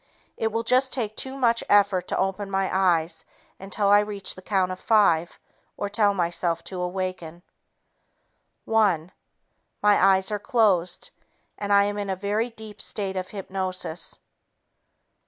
It will just take too much effort to open my eyes until I reach the count of five or tell myself to awaken. One ... My eyes are closed, and I am in a very deep state of hypnosis.